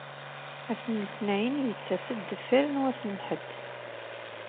Ass n letnayen yettas-d deffir n wass n lḥedd.